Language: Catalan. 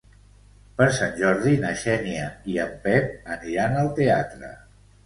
Per Sant Jordi na Xènia i en Pep aniran al teatre.